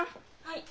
はい。